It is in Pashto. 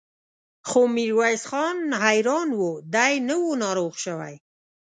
خو ميرويس خان حيران و، دی نه و ناروغه شوی.